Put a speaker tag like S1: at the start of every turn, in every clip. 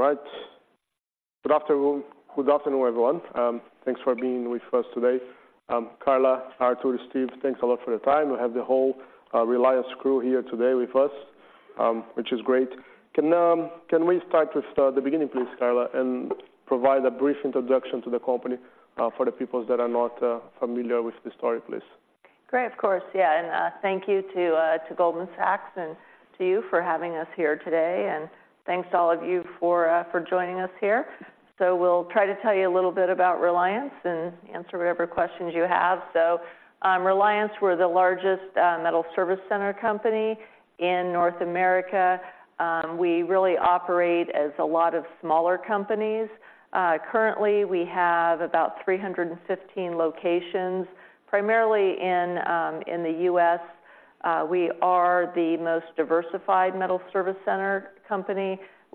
S1: All right. Good afternoon, good afternoon, everyone. Thanks for being with us today. Karla, Arthur, Steve, thanks a lot for the time. We have the whole Reliance crew here today with us, which is great. Can we start with the beginning, please, Karla, and provide a brief introduction to the company for the people that are not familiar with the story, please?
S2: Great. Of course. Yeah, and thank you to Goldman Sachs and to you for having us here today. And thanks to all of you for joining us here. So we'll try to tell you a little bit about Reliance and answer whatever questions you have. So, Reliance, we're the largest metal service center company in North America. We really operate as a lot of smaller companies. Currently, we have about 315 locations, primarily in the U.S. We are the most diversified metal service center company.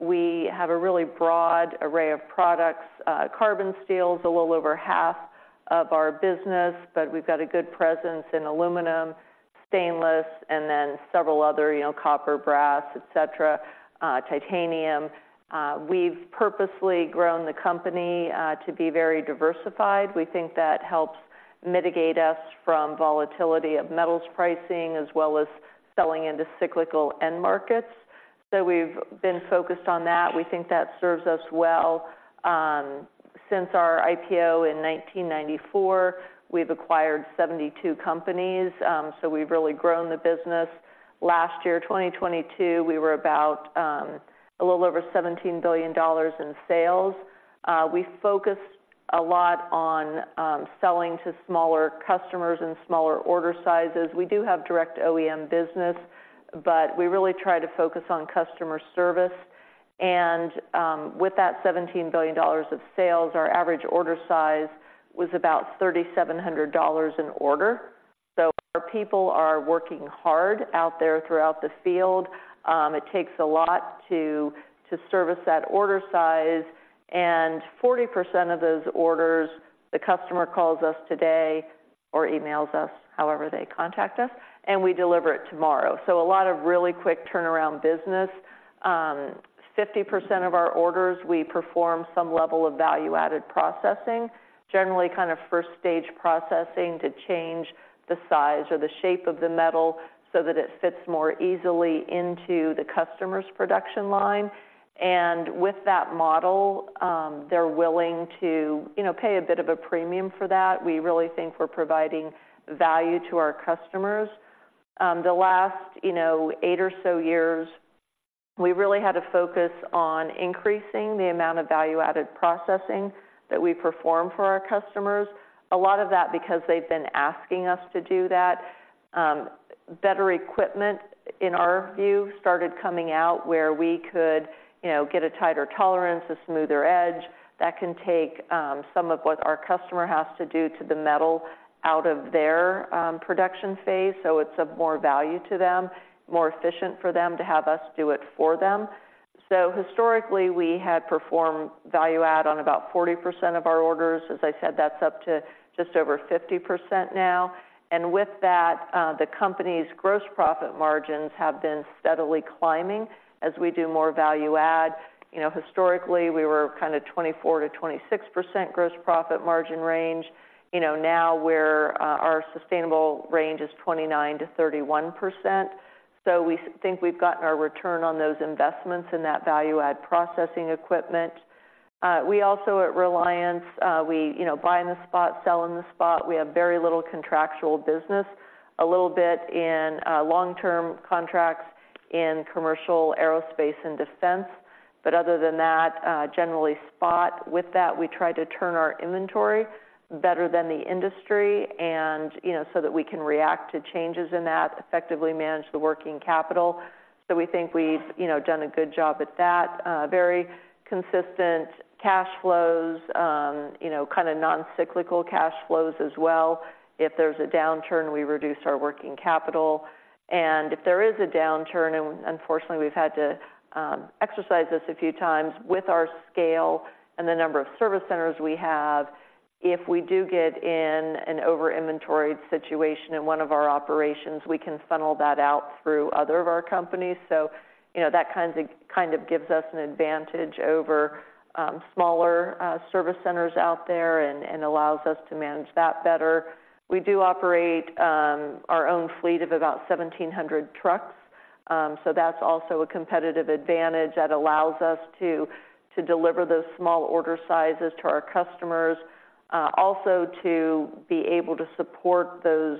S2: We have a really broad array of products. Carbon steel is a little over half of our business, but we've got a good presence in aluminum, stainless, and then several other, you know, copper, brass, et cetera, titanium. We've purposely grown the company to be very diversified. We think that helps mitigate us from volatility of metals pricing, as well as selling into cyclical end markets. So we've been focused on that. We think that serves us well. Since our IPO in 1994, we've acquired 72 companies, so we've really grown the business. Last year, 2022, we were about a little over $17 billion in sales. We focused a lot on selling to smaller customers and smaller order sizes. We do have direct OEM business, but we really try to focus on customer service. And, with that $17 billion of sales, our average order size was about $3,700 an order. So our people are working hard out there throughout the field. It takes a lot to service that order size, and 40% of those orders, the customer calls us today, or emails us, however they contact us, and we deliver it tomorrow. So a lot of really quick turnaround business. 50% of our orders, we perform some level of value-added processing, generally kind of first stage processing, to change the size or the shape of the metal so that it fits more easily into the customer's production line. And with that model, they're willing to, you know, pay a bit of a premium for that. We really think we're providing value to our customers. The last, you know, eight or so years, we really had to focus on increasing the amount of value-added processing that we perform for our customers. A lot of that because they've been asking us to do that. Better equipment, in our view, started coming out where we could, you know, get a tighter tolerance, a smoother edge. That can take some of what our customer has to do to the metal out of their production phase, so it's of more value to them, more efficient for them to have us do it for them. So historically, we had performed value add on about 40% of our orders. As I said, that's up to just over 50% now. And with that, the company's gross profit margins have been steadily climbing as we do more value add. You know, historically, we were kind of 24%-26% gross profit margin range. You know, now we're our sustainable range is 29%-31%. So we think we've gotten our return on those investments in that value add processing equipment. We also at Reliance, we, you know, buy in the spot, sell in the spot. We have very little contractual business. A little bit in, long-term contracts in commercial, aerospace, and defense, but other than that, generally spot. With that, we try to turn our inventory better than the industry and, you know, so that we can react to changes in that, effectively manage the working capital. So we think we've, you know, done a good job at that. Very consistent cash flows, you know, kind of non-cyclical cash flows as well. If there's a downturn, we reduce our working capital, and if there is a downturn, and unfortunately, we've had to exercise this a few times with our scale and the number of service centers we have, if we do get in an over-inventoried situation in one of our operations, we can funnel that out through other of our companies. So you know, that kind of gives us an advantage over smaller service centers out there and allows us to manage that better. We do operate our own fleet of about 1,700 trucks. So that's also a competitive advantage that allows us to deliver those small order sizes to our customers. Also to be able to support those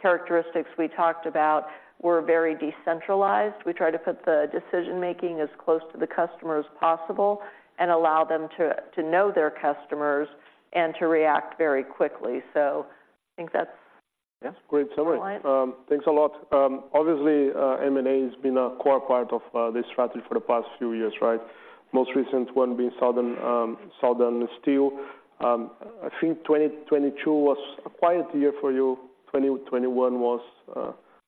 S2: characteristics we talked about, we're very decentralized. We try to put the decision-making as close to the customer as possible and allow them to know their customers and to react very quickly. So I think that's
S1: Yeah, great summary.
S2: Reliance.
S1: Thanks a lot. Obviously, M&A has been a core part of this strategy for the past few years, right? Most recent one being Southern Steel. I think 2022 was a quiet year for you. 2021 was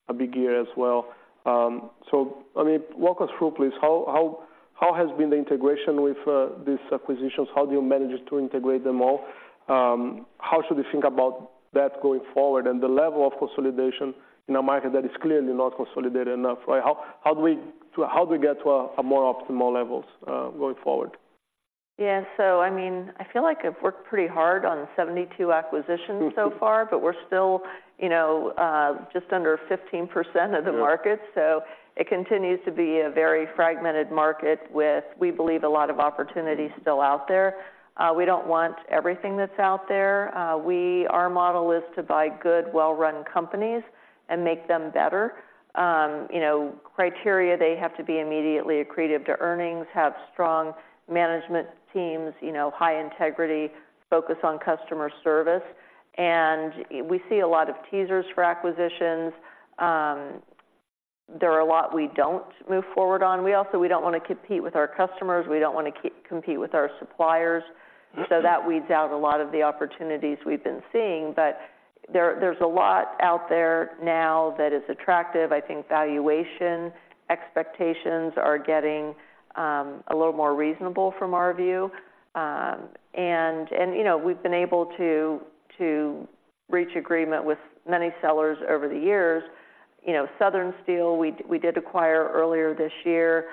S1: a big year as well. So I mean, walk us through, please. How has been the integration with these acquisitions? How do you manage to integrate them all? How should we think about that going forward and the level of consolidation in a market that is clearly not consolidated enough, right? So how do we get to a more optimal levels going forward?...
S2: Yeah, so I mean, I feel like I've worked pretty hard on 72 acquisitions so far, but we're still just under 15% of the market. So it continues to be a very fragmented market with, we believe, a lot of opportunities still out there. We don't want everything that's out there. Our model is to buy good, well-run companies and make them better. You know, criteria, they have to be immediately accretive to earnings, have strong management teams, you know, high integrity, focus on customer service, and we see a lot of teasers for acquisitions. There are a lot we don't move forward on. We also don't want to compete with our customers, we don't want to compete with our suppliers, so that weeds out a lot of the opportunities we've been seeing. But there, there's a lot out there now that is attractive. I think valuation expectations are getting a little more reasonable from our view. And you know, we've been able to reach agreement with many sellers over the years. You know, Southern Steel, we did acquire earlier this year.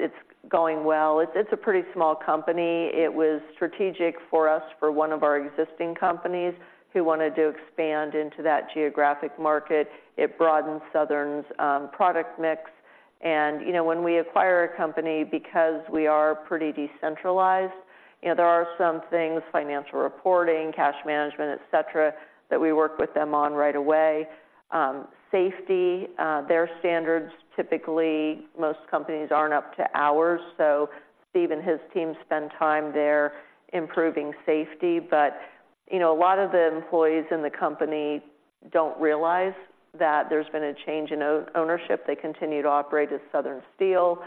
S2: It's going well. It's a pretty small company. It was strategic for us, for one of our existing companies who wanted to expand into that geographic market. It broadened Southern's product mix. And you know, when we acquire a company, because we are pretty decentralized, you know, there are some things, financial reporting, cash management, et cetera, that we work with them on right away. Safety, their standards, typically, most companies aren't up to ours, so Steve and his team spend time there improving safety. But, you know, a lot of the employees in the company don't realize that there's been a change in ownership. They continue to operate as Southern Steel.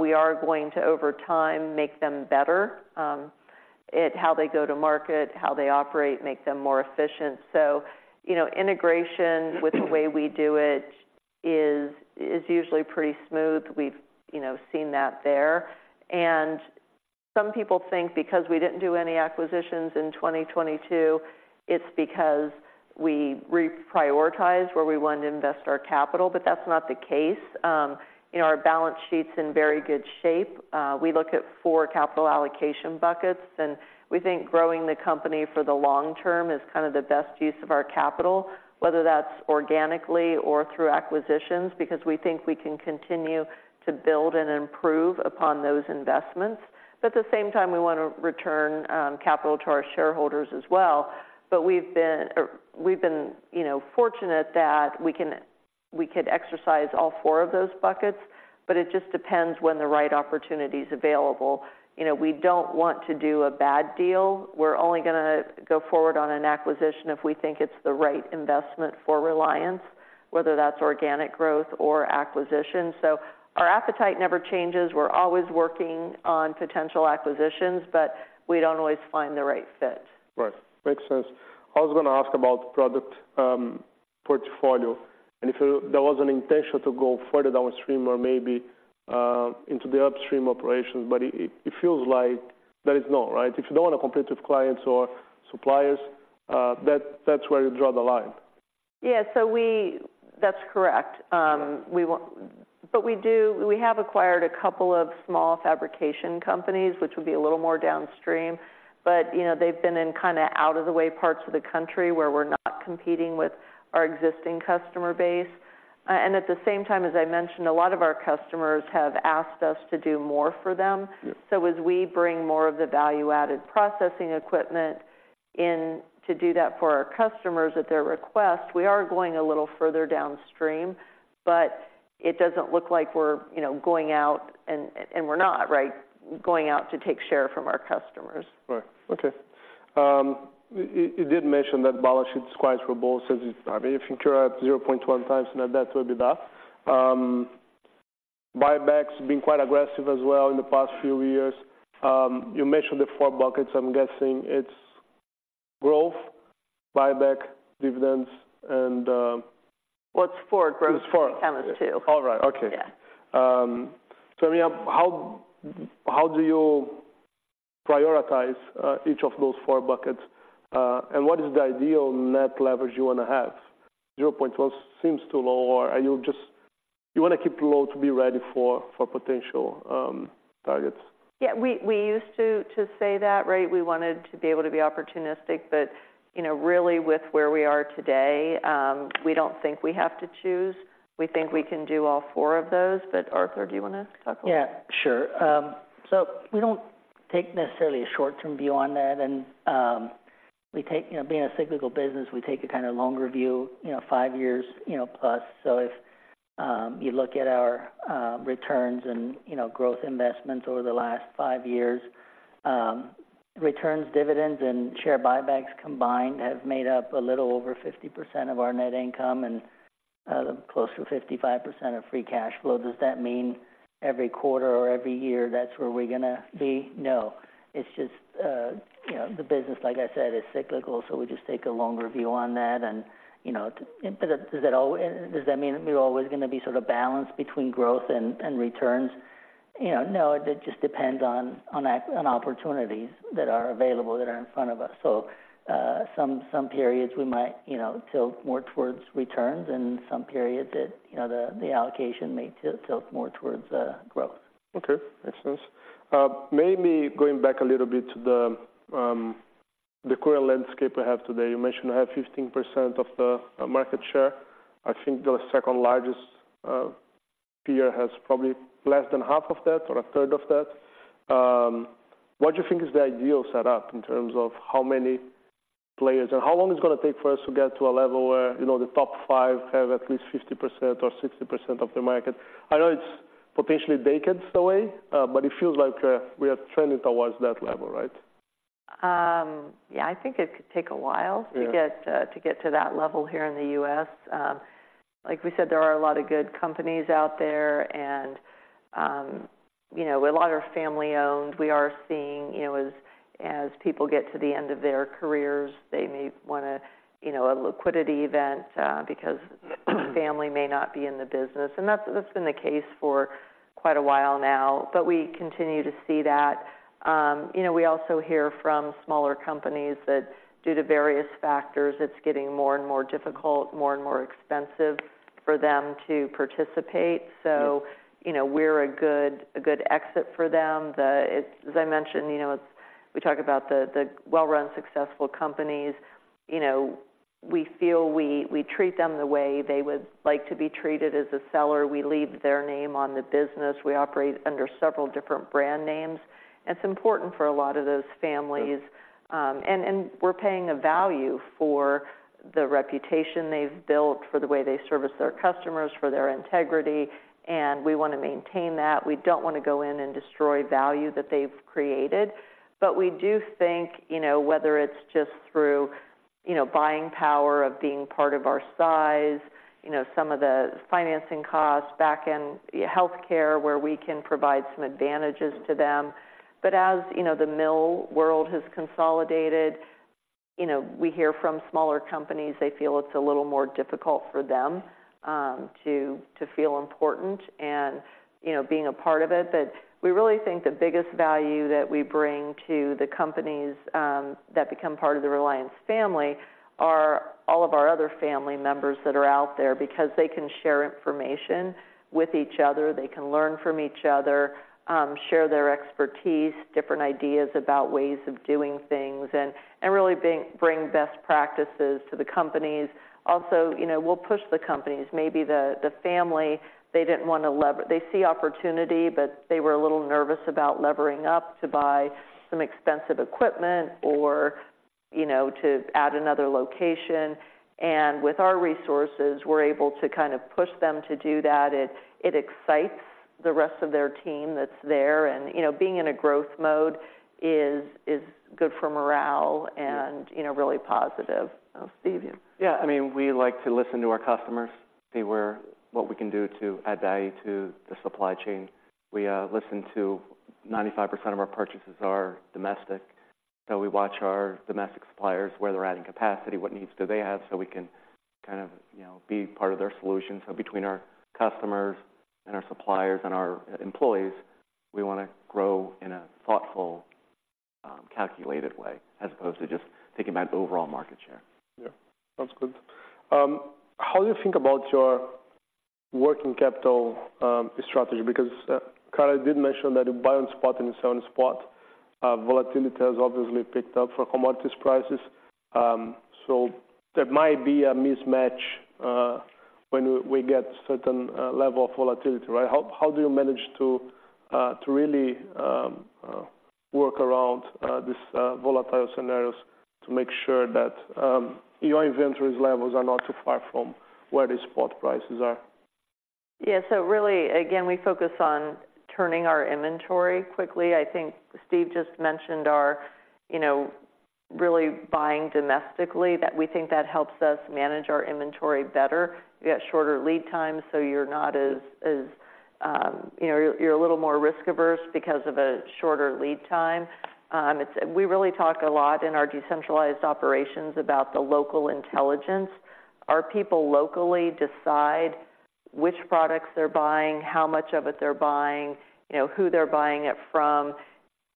S2: We are going to, over time, make them better at how they go to market, how they operate, make them more efficient. So, you know, integration with the way we do it is usually pretty smooth. We've, you know, seen that there. And some people think because we didn't do any acquisitions in 2022, it's because we reprioritized where we wanted to invest our capital, but that's not the case. You know, our balance sheet's in very good shape. We look at four capital allocation buckets, and we think growing the company for the long term is kind of the best use of our capital, whether that's organically or through acquisitions, because we think we can continue to build and improve upon those investments. But at the same time, we want to return capital to our shareholders as well. But we've been, you know, fortunate that we can- we could exercise all four of those buckets, but it just depends when the right opportunity is available. You know, we don't want to do a bad deal. We're only gonna go forward on an acquisition if we think it's the right investment for Reliance, whether that's organic growth or acquisition. So our appetite never changes. We're always working on potential acquisitions, but we don't always find the right fit.
S1: Right. Makes sense. I was gonna ask about product portfolio, and if there was an intention to go further downstream or maybe into the upstream operations, but it feels like there is no, right? If you don't want to compete with clients or suppliers, that's where you draw the line.
S2: Yeah, that's correct. But we do, we have acquired a couple of small fabrication companies, which would be a little more downstream, but, you know, they've been in kind of out-of-the-way parts of the country, where we're not competing with our existing customer base. And at the same time, as I mentioned, a lot of our customers have asked us to do more for them.
S1: Yeah.
S2: So as we bring more of the value-added processing equipment in to do that for our customers at their request, we are going a little further downstream, but it doesn't look like we're, you know, going out, and we're not, right? Going out to take share from our customers.
S1: Right. Okay. You did mention that balance sheet is quite robust, as, I mean, if you turn up 0.1x, net debt EBITDA. Buybacks have been quite aggressive as well in the past few years. You mentioned the four buckets. I'm guessing it's growth, buyback, dividends, and,
S2: Well, it's four growth.-
S1: It's four.
S2: Count us two.
S1: All right. Okay.
S2: Yeah.
S1: So I mean, how do you prioritize each of those four buckets? And what is the ideal net leverage you want to have? 0.1x seems too low, or are you just-- You want to keep it low to be ready for potential targets?
S2: Yeah, we used to say that, right? We wanted to be able to be opportunistic, but, you know, really with where we are today, we don't think we have to choose. We think we can do all four of those, but Arthur, do you want to talk about it?
S3: Yeah, sure. So we don't take necessarily a short-term view on that. And, we take, you know, being a cyclical business, we take a kind of longer view, you know, five years, you know, plus. So if, you look at our, returns and, you know, growth investments over the last five years, returns, dividends, and share buybacks combined have made up a little over 50% of our net income and, close to 55% of free cash flow. Does that mean every quarter or every year, that's where we're gonna be? No. It's just, you know, the business, like I said, is cyclical, so we just take a longer view on that. And, you know, but does that does that mean we're always gonna be sort of balanced between growth and, and returns? You know, no, it just depends on opportunities that are available, that are in front of us. So, some periods we might, you know, tilt more towards returns, and some periods it, you know, the allocation may tilt more towards growth.
S1: Okay. Makes sense. Maybe going back a little bit to the current landscape we have today, you mentioned we have 15% of the market share. I think the second largest peer has probably less than half of that or a third of that. What do you think is the ideal setup in terms of how many players, and how long it's gonna take for us to get to a level where, you know, the top five have at least 50% or 60% of the market? I know it's potentially decades away, but it feels like we are trending towards that level, right?
S2: Yeah, I think it could take a while.
S1: Yeah.
S2: To get to that level here in the U.S. Like we said, there are a lot of good companies out there, and, you know, a lot are family-owned. We are seeing, you know, as, as people get to the end of their careers, they may wanna, you know, a liquidity event, because the family may not be in the business, and that's, that's been the case for quite a while now. But we continue to see that. You know, we also hear from smaller companies that, due to various factors, it's getting more and more difficult, more and more expensive for them to participate.
S1: Yeah.
S2: So, you know, we're a good, a good exit for them. As I mentioned, you know, we talk about the well-run, successful companies. You know, we feel we treat them the way they would like to be treated as a seller. We leave their name on the business. We operate under several different brand names, and it's important for a lot of those families. And we're paying a value for the reputation they've built, for the way they service their customers, for their integrity, and we wanna maintain that. We don't wanna go in and destroy value that they've created. But we do think, you know, whether it's just through buying power of being part of our size, you know, some of the financing costs, back-end healthcare, where we can provide some advantages to them. But as you know, the mill world has consolidated, you know, we hear from smaller companies, they feel it's a little more difficult for them to feel important and, you know, being a part of it. But we really think the biggest value that we bring to the companies that become part of the Reliance family are all of our other family members that are out there. Because they can share information with each other, they can learn from each other, share their expertise, different ideas about ways of doing things, and really bring best practices to the companies. Also, you know, we'll push the companies. Maybe the family, they didn't wanna. They see opportunity, but they were a little nervous about levering up to buy some expensive equipment or, you know, to add another location. With our resources, we're able to kind of push them to do that. It excites the rest of their team that's there, and, you know, being in a growth mode is good for morale.
S1: Yeah.
S2: You know, really positive. Steve, you?
S4: Yeah. I mean, we like to listen to our customers, see what we can do to add value to the supply chain. We 95% of our purchases are domestic, so we watch our domestic suppliers, where they're adding capacity, what needs do they have, so we can kind of, you know, be part of their solution. So between our customers, and our suppliers, and our employees, we wanna grow in a thoughtful, calculated way, as opposed to just thinking about overall market share.
S1: Yeah, that's good. How do you think about your working capital strategy? Because Karla did mention that you buy on spot and you sell on spot. Volatility has obviously picked up for commodities prices, so there might be a mismatch when we get certain level of volatility, right? How do you manage to really work around these volatile scenarios to make sure that your inventories levels are not too far from where the spot prices are?
S2: Yeah. So really, again, we focus on turning our inventory quickly. I think Steve just mentioned our, you know, really buying domestically, that we think that helps us manage our inventory better. You get shorter lead times, so you're not as, you know... You're a little more risk-averse because of a shorter lead time. It's we really talk a lot in our decentralized operations about the local intelligence. Our people locally decide which products they're buying, how much of it they're buying, you know, who they're buying it from.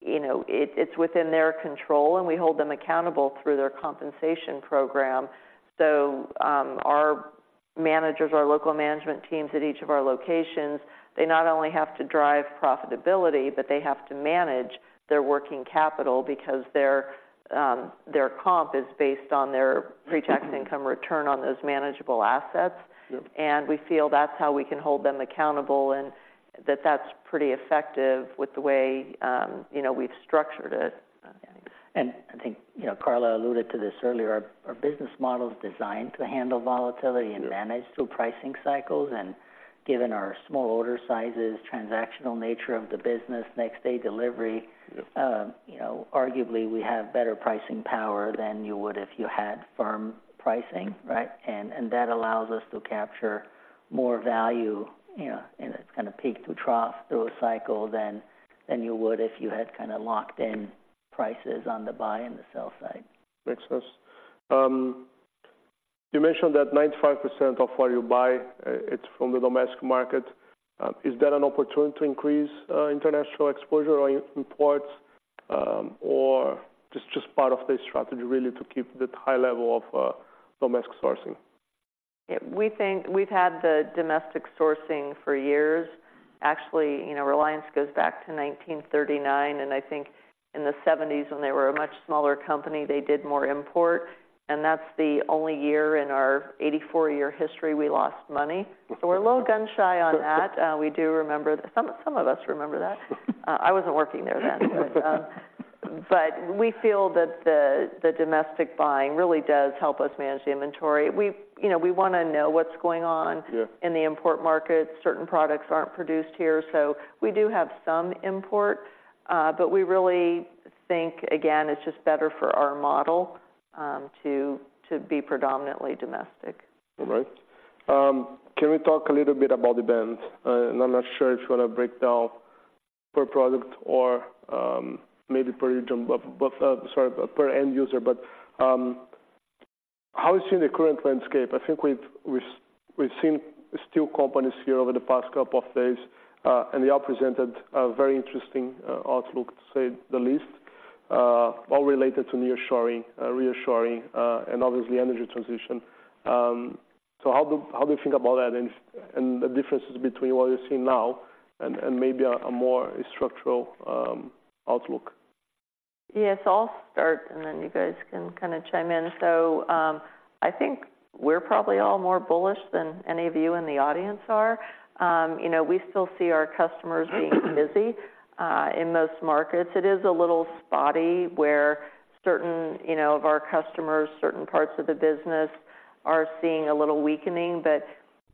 S2: You know, it's within their control, and we hold them accountable through their compensation program. Our managers, our local management teams at each of our locations, they not only have to drive profitability, but they have to manage their working capital because their comp is based on their pre-tax income return on those manageable assets.
S1: Yeah.
S2: We feel that's how we can hold them accountable, and that that's pretty effective with the way, you know, we've structured it.
S3: I think, you know, Karla alluded to this earlier, our business model is designed to handle volatility.
S1: Yeah.
S3: And manage through pricing cycles. Given our small order sizes, transactional nature of the business, next-day delivery.
S1: Yeah....
S3: You know, arguably, we have better pricing power than you would if you had firm pricing, right? And that allows us to capture more value, you know, in a kind of peak to trough through a cycle than you would if you had kind of locked in prices on the buy and the sell side.
S1: Makes sense. You mentioned that 95% of what you buy, it's from the domestic market. Is that an opportunity to increase international exposure or imports, or just, just part of the strategy, really, to keep the high level of domestic sourcing?...
S2: Yeah, we think we've had the domestic sourcing for years. Actually, you know, Reliance goes back to 1939, and I think in the 1970s, when they were a much smaller company, they did more import, and that's the only year in our 84-year history we lost money. So we're a little gun shy on that. We do remember, some of us remember that. I wasn't working there then. But, but we feel that the domestic buying really does help us manage the inventory. We, you know, we wanna know what's going on,-
S1: Yeah.
S2: -In the import market. Certain products aren't produced here, so we do have some import, but we really think, again, it's just better for our model, to be predominantly domestic.
S1: All right. Can we talk a little bit about the band? And I'm not sure if you want to break down per product or, maybe per item, but, but, sorry, per end user. But, how is it in the current landscape? I think we've seen steel companies here over the past couple of days, and they all presented a very interesting outlook, to say the least, all related to nearshoring, reshoring, and obviously energy transition. So how do you think about that and the differences between what you're seeing now and maybe a more structural outlook?
S2: Yes, I'll start, and then you guys can kind of chime in. So, I think we're probably all more bullish than any of you in the audience are. You know, we still see our customers being busy in most markets. It is a little spotty where certain, you know, of our customers, certain parts of the business are seeing a little weakening. But,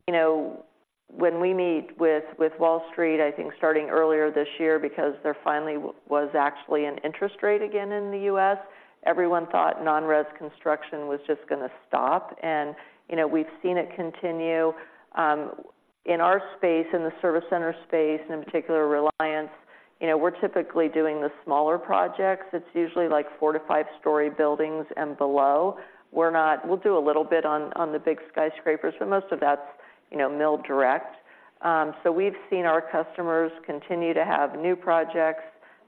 S2: you know, when we meet with Wall Street, I think starting earlier this year, because there finally was actually an interest rate again in the U.S., everyone thought non-res construction was just gonna stop. And, you know, we've seen it continue. In our space, in the service center space, and in particular, Reliance, you know, we're typically doing the smaller projects. It's usually, like, four- to five-story buildings and below. We're not. We'll do a little bit on the big skyscrapers, but most of that's, you know, mill direct. So we've seen our customers continue to have new projects,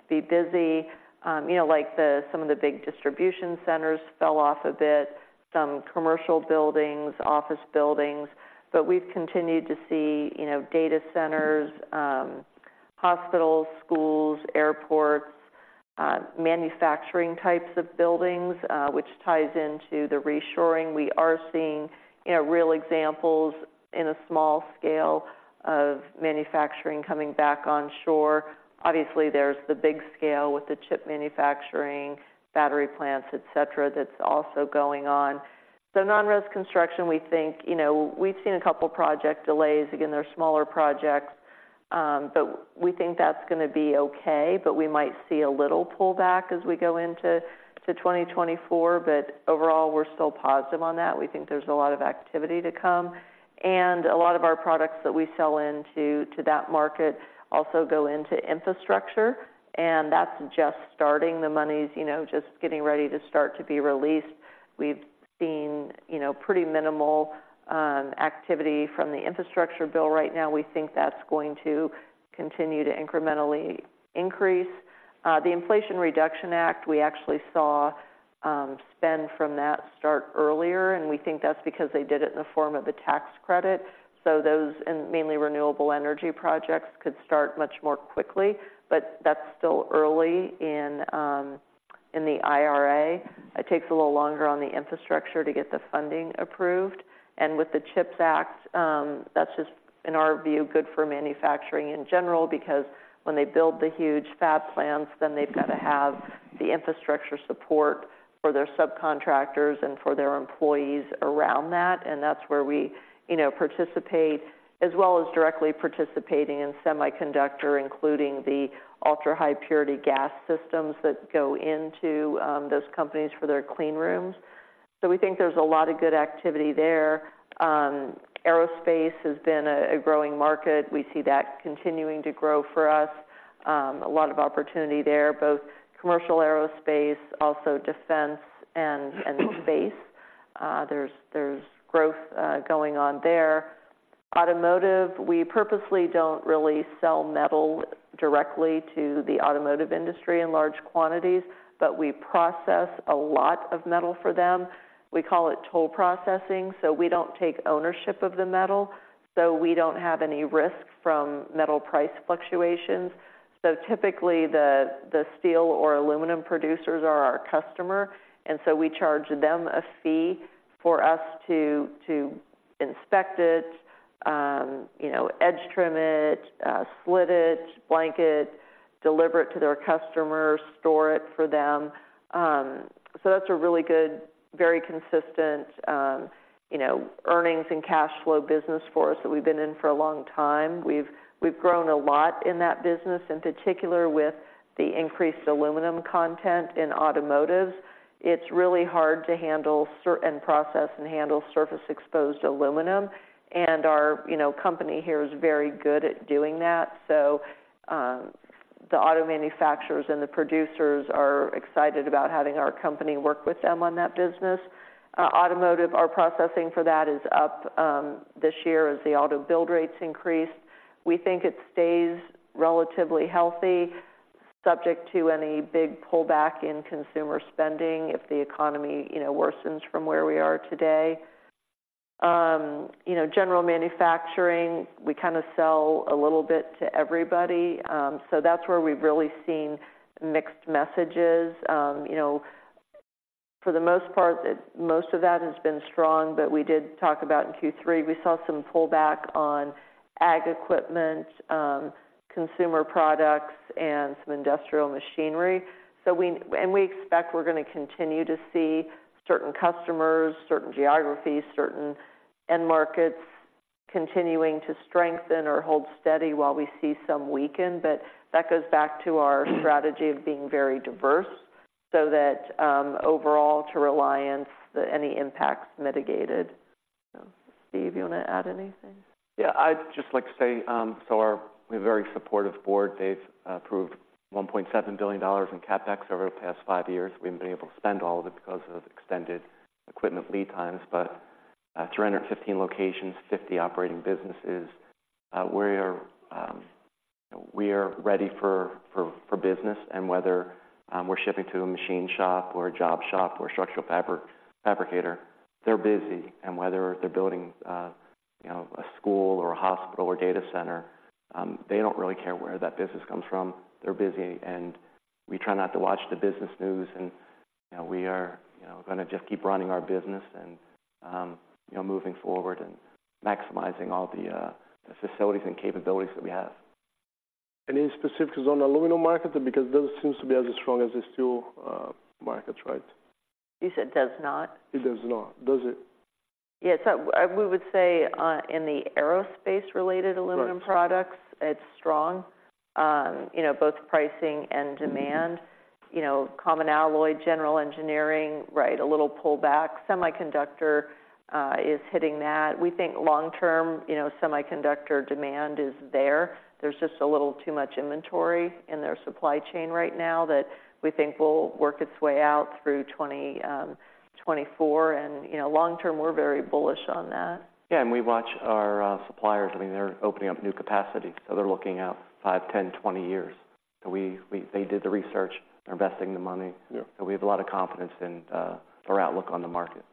S2: be busy. You know, like some of the big distribution centers fell off a bit, some commercial buildings, office buildings, but we've continued to see, you know, data centers, hospitals, schools, airports, manufacturing types of buildings, which ties into the reshoring. We are seeing, you know, real examples in a small scale of manufacturing coming back on shore. Obviously, there's the big scale with the chip manufacturing, battery plants, et cetera, that's also going on. So non-res construction, we think, you know, we've seen a couple project delays. Again, they're smaller projects, but we think that's gonna be okay, but we might see a little pullback as we go into 2024. Overall, we're still positive on that. We think there's a lot of activity to come, and a lot of our products that we sell into to that market also go into infrastructure, and that's just starting. The money's, you know, just getting ready to start to be released. We've seen, you know, pretty minimal activity from the infrastructure bill right now. We think that's going to continue to incrementally increase. The Inflation Reduction Act, we actually saw spend from that start earlier, and we think that's because they did it in the form of a tax credit. So those, and mainly renewable energy projects, could start much more quickly, but that's still early in the IRA. It takes a little longer on the infrastructure to get the funding approved, and with the CHIPS Act, that's just, in our view, good for manufacturing in general because when they build the huge fab plants, then they've got to have the infrastructure support for their subcontractors and for their employees around that, and that's where we, you know, participate, as well as directly participating in semiconductor, including the ultrahigh purity gas systems that go into those companies for their clean rooms. So we think there's a lot of good activity there. Aerospace has been a growing market. We see that continuing to grow for us. A lot of opportunity there, both commercial aerospace, also defense and space. There's growth going on there. Automotive, we purposely don't really sell metal directly to the automotive industry in large quantities, but we process a lot of metal for them. We call it toll processing, so we don't take ownership of the metal, so we don't have any risk from metal price fluctuations. So typically, the steel or aluminum producers are our customer, and so we charge them a fee for us to inspect it, you know, edge trim it, slit it, blank it, deliver it to their customers, store it for them. So that's a really good, very consistent, you know, earnings and cash flow business for us that we've been in for a long time. We've grown a lot in that business, in particular, with the increased aluminum content in automotives. It's really hard to handle and process and handle surface-exposed aluminum, and our, you know, company here is very good at doing that. So, the auto manufacturers and the producers are excited about having our company work with them on that business. Automotive, our processing for that is up this year as the auto build rates increase. We think it stays relatively healthy subject to any big pullback in consumer spending if the economy, you know, worsens from where we are today. You know, general manufacturing, we kind of sell a little bit to everybody. So that's where we've really seen mixed messages. You know, for the most part, most of that has been strong, but we did talk about in Q3, we saw some pullback on ag equipment, consumer products, and some industrial machinery. And we expect we're gonna continue to see certain customers, certain geographies, certain end markets continuing to strengthen or hold steady while we see some weaken. But that goes back to our strategy of being very diverse, so that overall to Reliance any impacts mitigated. So Steve, you wanna add anything?
S4: Yeah, I'd just like to say, so we have a very supportive board. They've approved $1.7 billion in CapEx over the past five years. We haven't been able to spend all of it because of extended equipment lead times, but 315 locations, 50 operating businesses, we are ready for business. And whether we're shipping to a machine shop or a job shop or structural fabricator, they're busy. And whether they're building, you know, a school or a hospital or data center, they don't really care where that business comes from. They're busy, and we try not to watch the business news, and, you know, we are, you know, gonna just keep running our business and, you know, moving forward and maximizing all the, the facilities and capabilities that we have.
S1: Any specifics on the aluminum market, because it doesn't seems to be as strong as the steel markets, right?
S2: You said, does not?
S1: It does not. Does it?
S2: Yeah, so we would say in the aerospace-related
S1: Right.
S2: Aluminum products, it's strong. You know, both pricing and demand. You know, common alloy, general engineering, right, a little pullback. Semiconductor, is hitting that. We think long-term, you know, semiconductor demand is there. There's just a little too much inventory in their supply chain right now that we think will work its way out through 2024, and, you know, long term, we're very bullish on that.
S4: Yeah, and we watch our suppliers. I mean, they're opening up new capacity, so they're looking out five, 10, 20 years. So they did the research. They're investing the money.
S1: Yeah.
S4: We have a lot of confidence in our outlook on the market.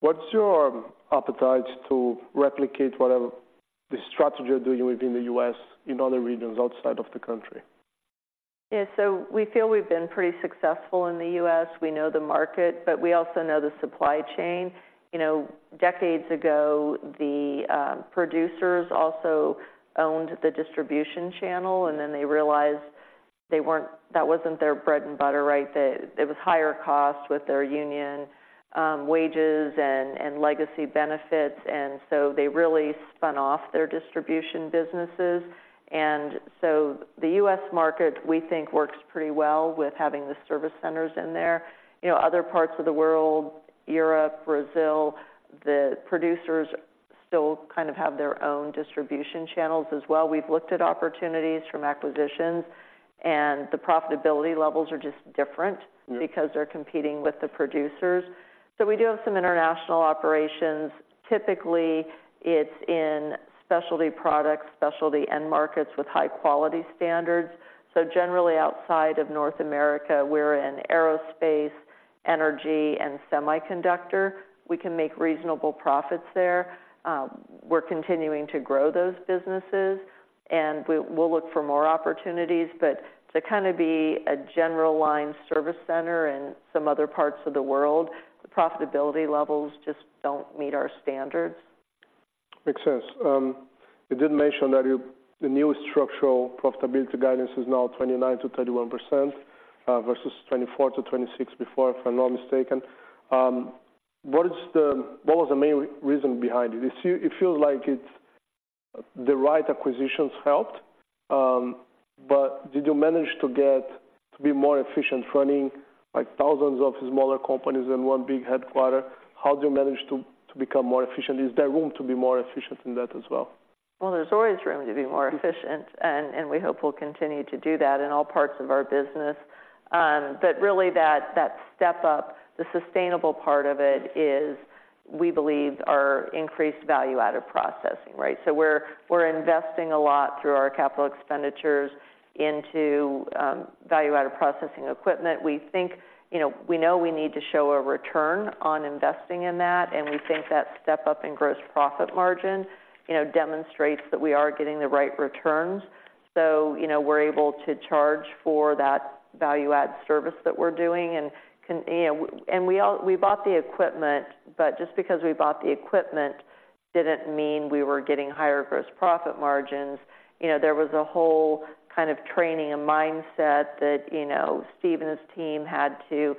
S1: What's your appetite to replicate whatever the strategy you're doing within the U.S., in other regions outside of the country?
S2: Yeah, so we feel we've been pretty successful in the U.S. We know the market, but we also know the supply chain. You know, decades ago, the producers also owned the distribution channel, and then they realized they weren't, that wasn't their bread and butter, right? That it was higher cost with their union wages and legacy benefits, and so they really spun off their distribution businesses. So the U.S. market, we think, works pretty well with having the service centers in there. You know, other parts of the world, Europe, Brazil, the producers still kind of have their own distribution channels as well. We've looked at opportunities from acquisitions, and the profitability levels are just different.
S1: Yeah.
S2: Because they're competing with the producers. So we do have some international operations. Typically, it's in specialty products, specialty end markets with high-quality standards. So generally, outside of North America, we're in aerospace, energy, and semiconductor. We can make reasonable profits there. We're continuing to grow those businesses, and we'll look for more opportunities, but to kind of be a general line service center in some other parts of the world, the profitability levels just don't meet our standards.
S1: Makes sense. You did mention that the new structural profitability guidance is now 29%-31%, versus 24%-26% before, if I'm not mistaken. What was the main reason behind it? It feels like it's the right acquisitions helped, but did you manage to get to be more efficient, running, like, thousands of smaller companies in one big headquarter? How do you manage to become more efficient, is there room to be more efficient in that as well?
S2: Well, there's always room to be more efficient, and we hope we'll continue to do that in all parts of our business. But really, that step up, the sustainable part of it is, we believe, our increased value-added processing, right? So we're investing a lot through our capital expenditures into value-added processing equipment. We think, you know, we know we need to show a return on investing in that, and we think that step up in gross profit margin, you know, demonstrates that we are getting the right returns. So, you know, we're able to charge for that value-add service that we're doing and, you know, we bought the equipment, but just because we bought the equipment didn't mean we were getting higher gross profit margins. You know, there was a whole kind of training and mindset that, you know, Steve and his team had to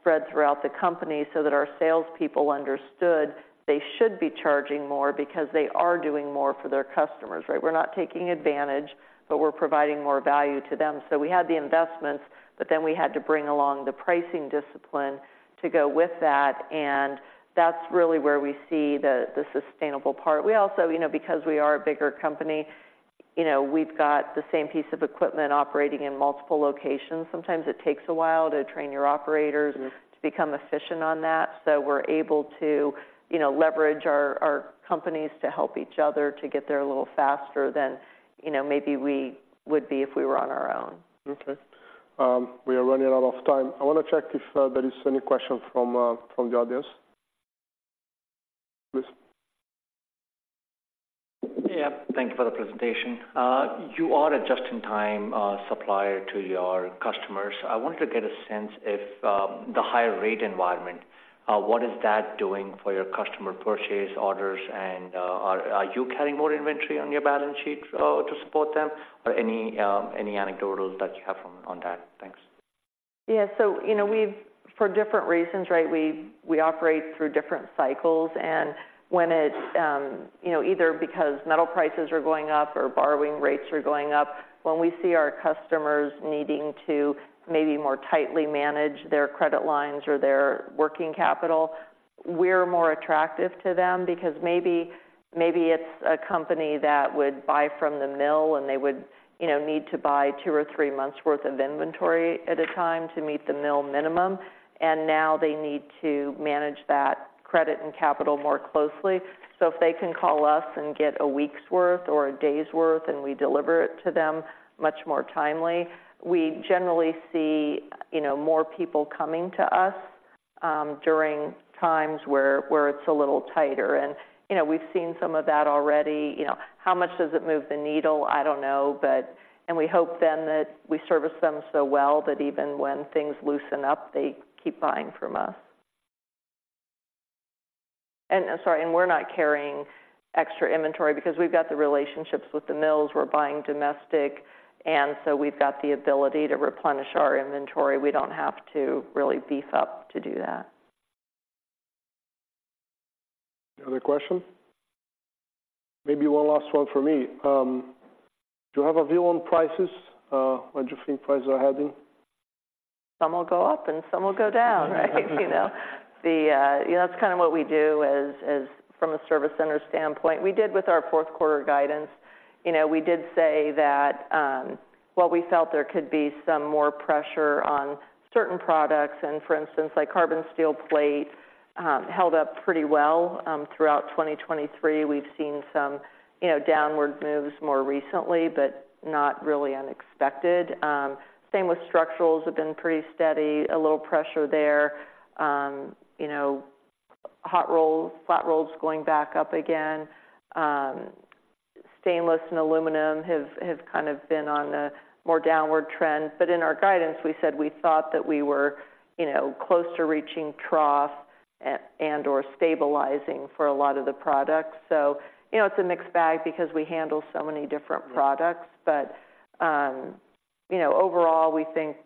S2: spread throughout the company so that our salespeople understood they should be charging more because they are doing more for their customers, right? We're not taking advantage, but we're providing more value to them. So we had the investments, but then we had to bring along the pricing discipline to go with that, and that's really where we see the sustainable part. We also, you know, because we are a bigger company, you know, we've got the same piece of equipment operating in multiple locations. Sometimes it takes a while to train your operators,
S1: Mm-hmm
S2: -To become efficient on that. So we're able to, you know, leverage our companies to help each other to get there a little faster than, you know, maybe we would be if we were on our own.
S1: Okay.... We are running out of time. I want to check if there is any question from, from the audience. Please.
S5: Yeah, thank you for the presentation. You are a just-in-time supplier to your customers. I wanted to get a sense if the higher rate environment what is that doing for your customer purchase orders? And are you carrying more inventory on your balance sheet to support them? Or any anecdotals that you have from on that? Thanks.
S2: Yeah. So, you know, we've for different reasons, right? We operate through different cycles, and when it, you know, either because metal prices are going up or borrowing rates are going up, when we see our customers needing to maybe more tightly manage their credit lines or their working capital, we're more attractive to them. Because maybe it's a company that would buy from the mill, and they would, you know, need to buy two or three months' worth of inventory at a time to meet the mill minimum. And now they need to manage that credit and capital more closely. So if they can call us and get a week's worth or a day's worth, and we deliver it to them much more timely, we generally see, you know, more people coming to us during times where it's a little tighter. You know, we've seen some of that already. You know, how much does it move the needle? I don't know, but... We hope then that we service them so well that even when things loosen up, they keep buying from us. I'm sorry, and we're not carrying extra inventory because we've got the relationships with the mills. We're buying domestic, and so we've got the ability to replenish our inventory. We don't have to really beef up to do that.
S1: Any other question? Maybe one last one from me. Do you have a view on prices? Where do you think prices are heading?
S2: Some will go up, and some will go down, right? You know, you know, that's kind of what we do as, as from a service center standpoint. We did with our fourth-quarter guidance, you know, we did say that, well, we felt there could be some more pressure on certain products. And for instance, like, carbon steel plate, held up pretty well, throughout 2023. We've seen some, you know, downward moves more recently, but not really unexpected. Same with structurals, have been pretty steady. A little pressure there. You know, hot rolls, flat rolls going back up again. Stainless and aluminum have kind of been on a more downward trend, but in our guidance, we said we thought that we were, you know, close to reaching trough, and/or stabilizing for a lot of the products. You know, it's a mixed bag because we handle so many different products. You know, overall, we think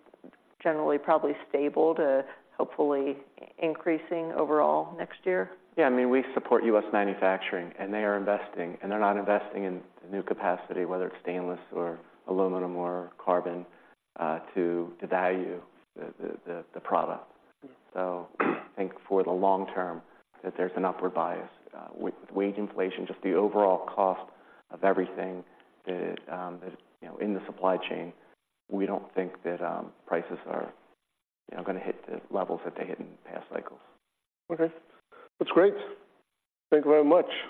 S2: generally probably stable to hopefully increasing overall next year.
S4: Yeah, I mean, we support U.S. manufacturing, and they are investing, and they're not investing in new capacity, whether it's stainless or aluminum or carbon, to the value, the product. So I think for the long term, that there's an upward bias, with wage inflation, just the overall cost of everything that, you know, in the supply chain, we don't think that prices are, you know, gonna hit the levels that they hit in past cycles.
S1: Okay. That's great. Thank you very much.